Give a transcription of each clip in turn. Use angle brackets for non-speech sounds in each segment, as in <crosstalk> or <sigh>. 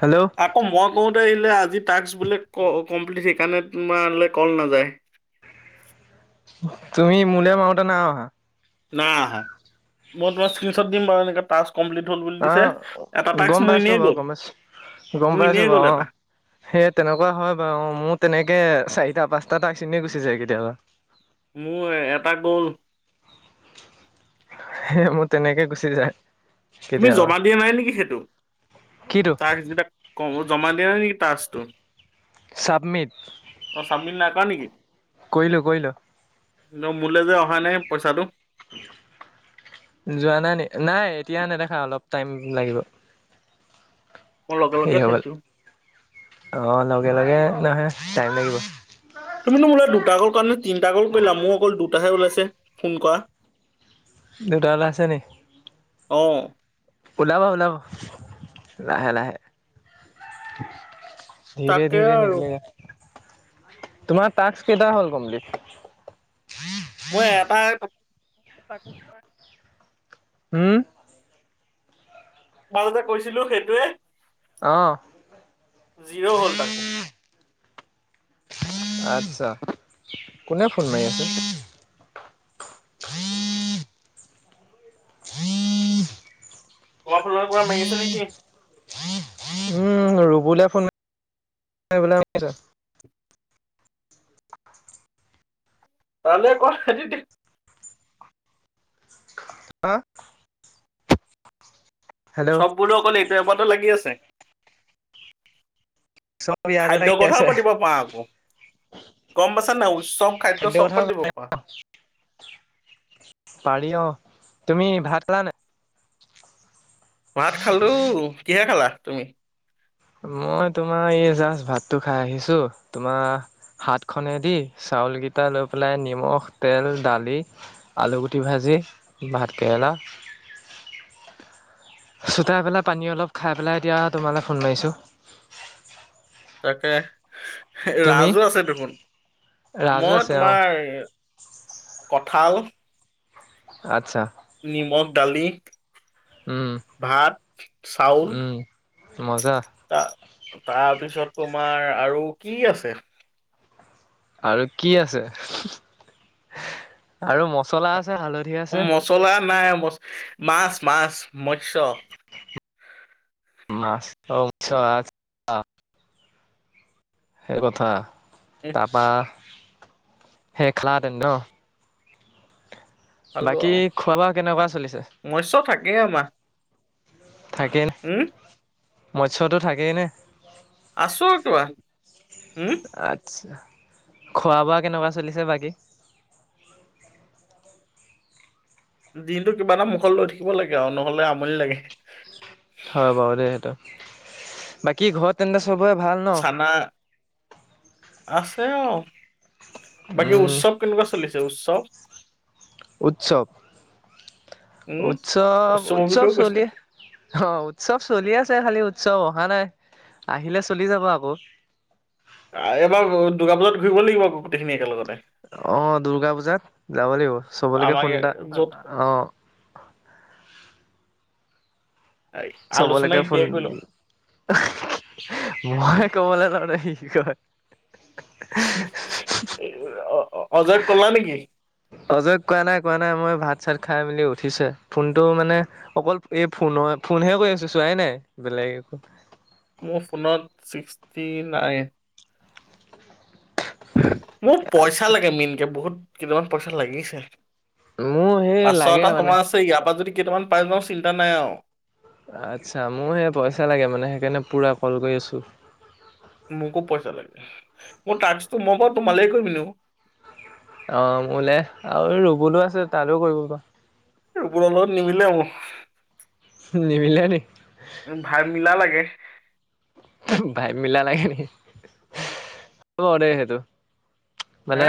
Hello আকৌ মই কওঁতে এইলে আজি টাক্স বোলে ক কমপ্লিট সেইকাৰণে তোমালে কল নাযায়। তুমি মোলেও মাৰোঁতে নাই অহা। নাই অহা, মই তোমাৰ স্ক্ৰিনশ্বট দিম বাৰু এনেকে টাস্ক কমপ্লিট হ'ল বুলি আ, দিছে। এটা টাস্ক গম মোৰ পাইছো এনেই বাৰু গ'ল গম পাইছো, গম মোৰ এনেই পাইছো বাৰু গ'ল অ। এটা সেই তেনেকুৱা হয় বাৰু মোৰ তেনেকে চাৰিটা পাঁচটা টাস্ক এনে গুচি যায় কেতিয়াবা। মোৰ এটা গ'ল এ, মোৰ তেনেকে গুচি যায়। তুমি কেতিয়াবা জমা দিয়া নাই নেকি সেইটো, কিটো টাস্ক গীতা জমা দিয়া নাই নেকি টাস্কটো? চাবমিট অ', চাবমিট নাই কৰা নেকি? কৰিলো কৰিলো মোলে যে অহা নাই পইচাটো যোৱা নাই নি নাই তেতিয়া নেদেখা অলপ টাইম লাগিব। মই লগে সেৰি লগে হৈ গ'ল চাইছো অ', লগে লগে নাহে টাইম লাগিব। তুমিনো মোৰলৈ দুটা ক'ল কৰাণে তিনিটা ক'ল কৰিলা মোৰ অকল দুটাহে ওলাইছে ফোন কৰা। দুটা উলাইছো নি? অ', উলাব উলাব লাহে লাহে। ধীৰে তাকে ধীৰে আৰু নিকলেগা। তোমাৰ টাস্ক কেইটা হ'ল কমপ্লিট? এটাৰ হুম? মাজতেই কৈছিলোঁ সেইটোয়ে। অ', জিৰ' হ'ল তাকো আচ্ছা কোনে ফোন মাৰি আছে? <inaudible> <inaudible> খোৱা ফুলৰ কৱা মাৰি আছে নেকি? ৰুবলে ফোন তাললৈ ক হাঁ? চব বোলো অকল এইটো এপটে লাগি আছে। চব ইয়াতে খাদ্য লাগি কথাও আছে। পাতিব পাৰা আকৌ গম পাইছা নাই উৎসৱ খাদ্য খাদ্যৰ চব কথা পাতিব পাৰা প পাৰি অ', তুমি ভাত খালা নে? ভাত খালো কিহে খালা তুমি? মই তোমাৰ এই জাষ্ট ভাতটো খাই আহিছো তোমাৰ হাত খনে দি চাউল কিটা লৈ পেলাই নিমখ তেল দালি আলুগুটি ভাজি দি ভাত কেৰেলা চোতাই পেলাই পানী অলপ খাই পেলাই এতিয়া তোমালৈ ফোন মাৰিছোঁ। <inaudible> তাকে। তুমি? ৰাজো আছে দেখোন, ৰাজু মই আছে অ'। তোমাৰ কঁঠাল আচ্ছা। নিমখ দালি। উম, ভাত, চাউল উম, মজা। তা তাৰপিছত তোমাৰ আৰু কি আছে? আৰু কি আছে আৰু মচলা আছে। আ, হালধি আছে। মচলা নাই ম মাছ মাছ মৎস। মাছ উছ সেই কথা তাৰপা, সেই খেলাতেন ন' খালো বাকী আৰু খোৱা বোৱা কেনেকুৱা চলিছে? মৎস্য থাকেই আমাৰ থাকেই নে উম মৎসয়তো থাকেই নে? আছোঁ কিবা উম, আচ্ছা খোৱা বোৱা কেনেকুৱা চলিছে বাকী? দিনটো কিবা এটা মুখত লৈ থাকিব লাগে আৰু নহ'লে আমনি লাগে। হয় বাৰু দেই সেইটো, বাকী ঘৰত তেন্তে চব চবেৰে ভাল ন? চানা অ', বাকী উম উৎসৱ কেনেকুৱা চলিছে উৎসৱ? উৎসৱ। উম উৎসৱ - উৎসৱৰ উৎসৱ বিষয়েও কৈছে চলি অ', উৎসৱ চলি আছে খালি চব অহা নাই আহিলে চলি যাব আকৌ। এবাৰ দুগা বজাত ঘূৰিব লাগিব আকৌ গোটেইখিনি একেলগতে। অ' দূৰ্গা পূজাত যাব লাগিব চবলৈকে আমাৰ ফোন এটা য'ত অ', <inaudible> আলোচনা চবলৈকে ফোন, এতিয়াই কৰি লওঁ মই কবলৈ কৰ দেহি। কি অজয়ক কলা নেকি? অজয়ক কোৱা নাই কোৱা নাই মই ভাত চাত খাই মেলি উঠিছে ফোনটো মানে অকল এই ফোনত মই ফোনহে কৰি আছোঁ চোৱাই নাই বেলেগ একো। মোৰ ফোনত ছিক্সটি নাইন। মোৰ পইচা আচ্ছা লাগে মেইনকে, বহুত কেইটামান পইচা লাগিছে। মোৰ সেই পাঁচশ লাগে এটা মানে জমা আছে ইয়াৰ পৰা যদি কেইটামান পাই যাওঁ চিন্তা নাই আৰু। আচ্ছা মোৰ সে পইচা লাগে মানে সেইকাৰণে পুৰা কল কৰি আছোঁ। মোকো পইচা লাগে, মোৰ টাস্কটো মই বাৰু তোমালেই কৰিম এনেও। অ', মোলে আৰু ৰুবলো আছে তালেও কৰিব পৰা। এইবোৰৰ লগত নিমিলে মোৰ। নিমিলে নি? উম, ভাইব মিলা লাগে। ভাইব মিলা লাগে নি? উম, হয় বাৰু দে সেইটো মানে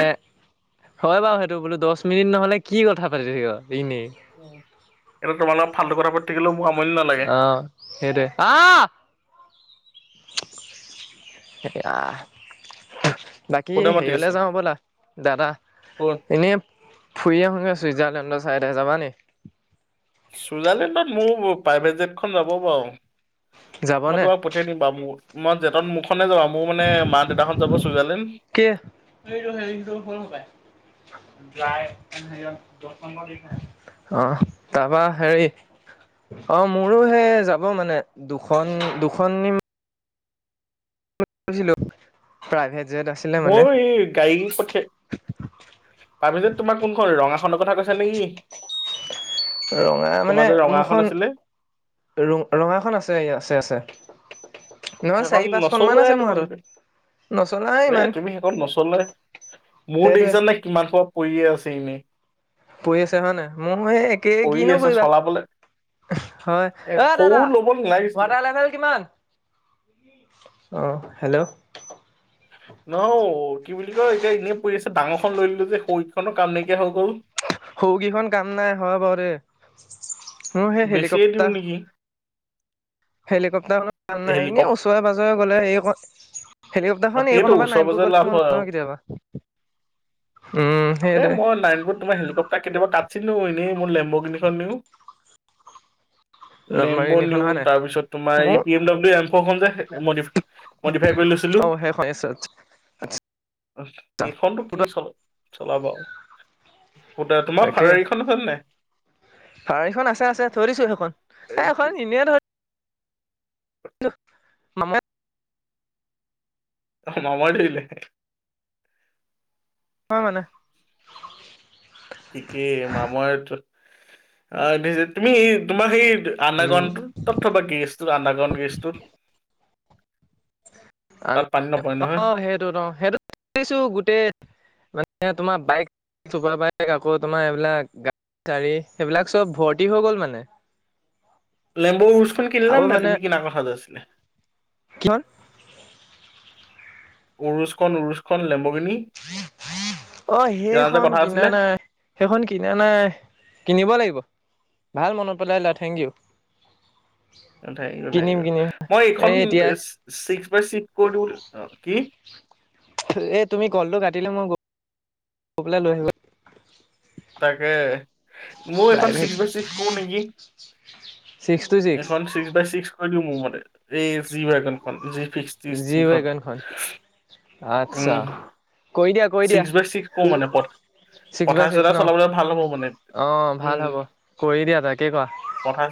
হয় বাৰু সেইটো বোলো দশ মিনিট নহলে কি কথা পাতি থাকিবা? এটো তোমাৰ লগত ফাল্টু কথা পাতি থাকিলেও মোৰ আমনি নালাগে অ', সেইটোৱে। সেয়া বাকী হেৰিয়লে যাওঁ ব'লা ক'তে দাদা মাতি আছো এনেই ফুৰি ক'ত আহোঁগে চুইজাৰলেণ্ডৰ চাইডে যাবা নি? চুইজাৰলেণ্ডত মোৰ প্ৰাইভেট জেটখন যাব বাৰু মই যাবনে তোমাক পঠিয়াই দিম বাৰু ম মই জেতট মুখনে যাবা মোৰ মানে মা দেউতা হত যাব চুইজাৰলেণ্ড কি এইটো হেৰিটো হ'ল সপাই। অ', তাৰপা হেৰি অ', মোৰো সে যাব মানে দুখন দুখন নিম ছিলো প্ৰায়ভেট ময়ো এই গাড়ী পঠিয়াই তাৰ পিছত তোমাৰ কোনখন ৰঙা খনৰ কথা কৈছা নেকি? ৰঙা তোমাৰ মানে যে ৰঙা এখন মোৰখন আছিলে ৰঙাখন আছে - আছে - আছে। নহয় সেইখন চাৰি পাঁচখন মান নচলোৱাই আছে মোৰ হাতত তোমালোকে। নচলাই এ ইমান তুমি শেষত নচলে মোৰ সেইটোৱে দেখিছা নে কিমান সোপা পৰিয়ে আছে ছেমে। পৰি আছে হয় নাই, মোৰ সেই একেই কৰি কিনো আছে কৰিবা? চলাবলে হয় এ সৰু দাদা ল'ব নালাগিছিলে ৱাটাৰ লেভেল কিমান? অ', হেল্ল' ন' কি বুলি কৈ এতিয়া এনেই পৰি আছে। ডাঙৰখন লৈ ললোঁ যে শৰিখনো কাম নাইকিয়া হৈ গ'ল। সৰুকেইখন কাম নাই হয় বাৰে মোৰ সেই বেছিয়ে দিওঁ হেলিকপ্তাৰ নেকি হেলিকপ্টাৰ ম ভাল নাই এনে হেলিকপ ওচৰে পাজৰে গ'লে এইকন হেলিকপ্টাৰখন সেইটো এইখনৰ পৰা ওচৰে নাৰায়ণপুৰ পাজৰে লাভ গ'লে মই লৈ হয় আৰু যাওঁ কেতিয়াবা, উম, এ সেইটোৱে মই নাৰায়ণপুৰত তোমাৰ হেলিকপ্তাৰ কেতিয়াবা কাটছিন <unintelligible> এনেই মই লেম্বৰগিনি খন নিও। লেম্ব লম্বাৰগিনিখন নিউ হয় নাই তাৰপিছত তোমাৰ এই মোৰ পি এম ডাব্লিউ এমফ'ৰ খন যে মদি মদিফাই কৰি লৈছিলোঁ। এছত এই খনটো কি চল চলাবা আও। তোমাৰ তাকে ফাৰাৰীখন হ'ল নাই? ফাৰাৰীখন আছে আছে থৈ দিছোঁ সেইখন এ সেইখন এনেই <unintelligible> অ', মামৰে ধৰিলে? হয় মানে। ঠিকেই মামৰ তুমি তোমাৰ সেই উম আণ্ডাৰগ্ৰাউণ্ডটো ক'ত থ'বা, গেৰেজটো আণ্ডাৰগ্ৰাউণ্ড গেৰেজটো? অ', সেইটো ন' সেইটো থৈছো গোটেই মানে তোমাৰ বাইক চোপা বাইক আকৌ তোমাৰ এইবিলাক গা চাৰী সেইবিলাক চব ভৰ্তি হৈ গল মানে। লেম্ব উৰোছ খন কিনিলা নাই তুমি কিনা কথা যে আছিলে? কি খন? উৰুচখন উৰুচখন লেম্ব গিনি। অ', সেইখন কিনা নাই, সেইখন কিনা নাই, কিনিব লাগিব। ভাল মনত পেলাই দিলা থেংকিইউ। মই এইখন এই এতিয়া ছিক্স বাই চিক্স কৰিলোঁ অ', কি? এ তুমি কলটো কাটিলে মই গৈ পেলাই লৈ আহিব তাকে মোৰ এখন প্ৰাইভেট ছিক্স বাই ছিক্স কৰোঁ নেকি? ছিক্স টু এইখন ছিক্স বাই ছিক্স কৰি দিওঁ মোৰ মতে এই জিৱেগন খন। ছিক্সটি জি ছিক্সত ৱেগনখন আচ্ছা উম, কৰি দিয়া কৰি দিয়া ছিক্স বাই ছিক্স কৰোঁ মানে পথ ছিক্স বাই পথাৰ ছিক্স চথাৰ ন চলাবলৈ ভাল হব মানে অ ভাল উম, হ'ব কৰি দিয়া তাকে কোৱা পথাৰ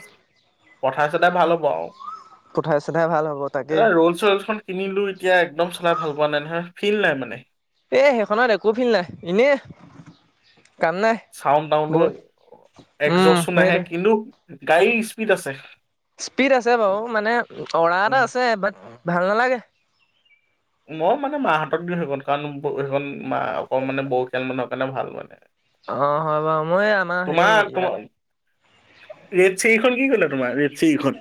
পথাৰ চতাৰ ভাল হ'ব আৰু। পঠাই চঠাই ভাল হ'ব তাকেই এটা ৰল চয়েলচ খন কিনিলো এতিয়া একদম চলাই ভাল পোৱা নাই নহয় ফিল নাই মানে। এ সেইখনত একো ফিল নাই এনে চাউন টাউনো উম একজচো নাহে সেইটোৱে কিন্তু গাড়ীৰ স্পীড আছে। স্পীড আছে বাৰু মানে অৰা উম এটা আছে বাট ভাল নালাগে। মই মানে মাহঁতক দিওঁ সেইখন কাৰণ সেইখন মা অক মানে বয়খীয়াল মানুহৰ কাৰণে ভাল মানে। অ', হয় বাৰু মই এই আমাৰ তোমাৰ সেইয়া খন কি কৰিলা তোমাৰ <unintelligible> খন?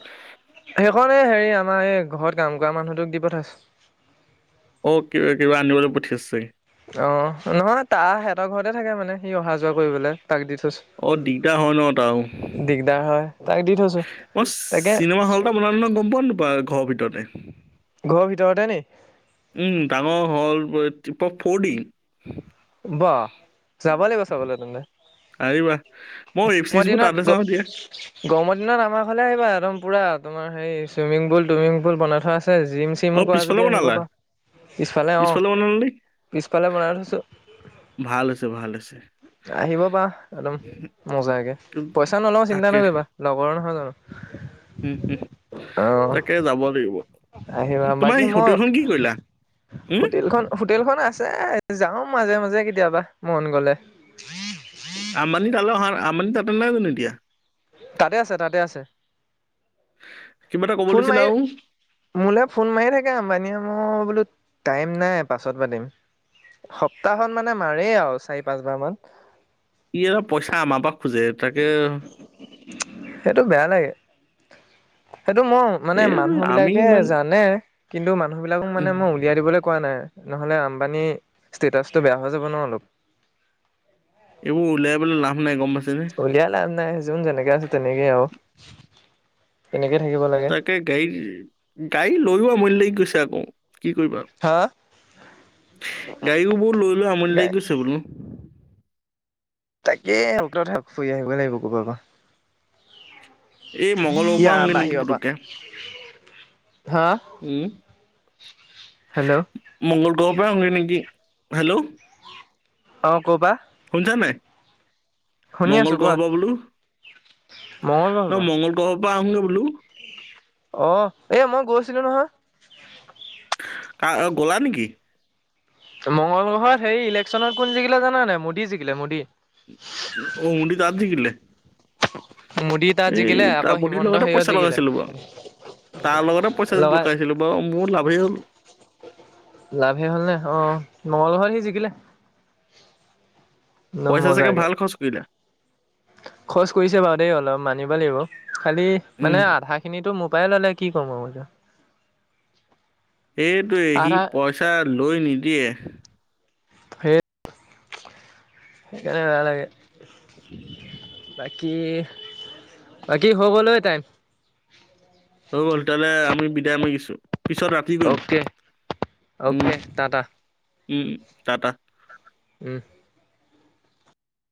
সেইখন এই হেৰি আমাৰ এই ঘৰত কাম কৰা মানুহটোক দি পঠাইছো। অ', কি কিবা আনিবলৈ পঠিয়াইছে? অ', নহয় তাৰ সিহঁতৰ ঘৰতে থাকে মানে সি অহা যোৱা কৰিবলৈ। তাক দি অ দিগদাৰ হয় ন তাৰো থৈছো দিগদাৰ হয়। তাক দি থৈছো মই তাকে চিনেমা হল এটা বনাম নহয় গম পোৱা নোপোৱা ঘৰৰ ভিতৰতে। ঘৰৰ ভিতৰতে নি উম, ডাঙৰ হ'ল টিপ টপ ফ'ৰ ডি। বাহ যাব লাগিব চাবলৈ তেন্তে। আহিবা মই এইফ গৰমৰ চিজ বোৰ দিনত তালে যাওঁ দিয়ে গৰমৰ দিনত আমাৰ ঘৰলেই আহিবা একদম পুৰা তোমাৰ হেৰি চুইমিং পুল টুইমিং পুল বনাই থোৱা আছে। আছে জিম চিমো অ' কৰা পিছফালে যদি আহিব বনালা? পাৰা। পিছফালে অ', বনালা নে? পিছফালে বনাই থৈছো। ভাল হৈছে ভাল হৈছে। আহিব পাৰা একদম মজাকে উম, পইচা নলও চিন্তা তাকে, নকৰিবা লগৰ নহয় জানো। উম, উম, অ', তাকে যাব লাগিব। আহিবা বাকী তোমাৰ মই হোটেলখন কি কৰিলা? উম, হোটেলখন - হোটেলখন আছে যাওঁ মাজে মাজে কেতিয়াবা মন গলে। আমনি তাতে নাই যানো এতিয়া? তাতে আছে তাতে আছে। কিবা এটা ক'ব ফোন লাগিছিলে মাৰি আৰু। মোলৈ ফোন মাৰি থাকে আম্বানীয়ে মই বোলো টাইম নাই পাছত পাতিম। সপ্তাহত মানে মাৰে আৰু চাৰি পাঁচবাৰ মান। ই অলপ পইচা আমাৰ পৰা খোজে তাকে সেইটো বেয়া লাগে। সেইটো মোৰ মানে এই মানুহ আমি বিলাকে ইমান যানে, কিন্তু মানুহ বিলাকক মানে উম, মই উলিয়াই দিবলৈ কোৱা নাই। নহলে আম্বানী ষ্টেটাচটো বেয়া হৈ যাব ন' অলপ। এইবোৰ উলিয়াই পেলে লাভ নাই গম পাইছেনে? উলিয়াই লাভ নাই যোন যেনেকে আছে তেনেকেই আৰু তেনেকে থাকিব লাগে তাকে গাড়ী গাড়ী লৈও আমনি লাগি গৈছে আকৌ। কি কৰিবা হা গাড়ীবোৰ লৈ লৈ আমনি গাই লাগি গৈছে বোলো। তাকে সকল ফুৰি আহিব লাগিব ক'ব পৰা। এই মঙ্গলবাৰৰ পৰা আহোঁগৈ নেকি বাহিৰৰপৰা পুটুককে। হাঁ? উম। মংগল গ্ৰহৰ পৰা আহোঁগে নেকি হেল্ল' অ', কৰপৰা? শুনিছা নাই? শুনি মংগল আছো কোৱা গ্ৰহৰ পৰা বোলো, মঙ্গল গ্ৰহৰ পৰা ন' মংগল গ্ৰহৰ পৰা আহোগৈ বোলো অ', এ মই গৈছিলো নহয়। কা গলা নেকি? মংগলগ্ৰহত সেই ইলেকশ্যনত কোন জিকিলে জানা নাই মোদী জিকিলে মোদী। অ', মোদী তাত জিকিলে? মোদী তাত এই জিকিলে আকৌ তাপ্ৰতি হিমন্ত লগতে হেৰিয়ত পইচা জিকিলে লগাইছিলো বাৰু, তাৰ লগতে পইচা লগাই লকাইছিলো বাৰু। অ', মোৰ লাভেই হ'ল। লাভে হ'ল নে অ', নহলে হয় সি জিকিলে। পইচা চাগে ভাল খৰছ কৰিলা? খৰছ কৰিছে বাৰু দেই অলপ মানিব লাগিব, খালি উম, মানে আধা খিনিতো মো পাই ললে কি কম আৰু এতিয়া? এইটোৱে সি আধা পইচা লৈ নিদিয়ে। সেই সেইকাৰনে নালাগে। কি বাকী হৈ গল অ'ই, টাইম। হৈ গ'ল, তেতিয়া হ'লে আমি বিদায় মাৰিছো। পিছত ৰাতি কৰিম উম, উম, টাটা। উম,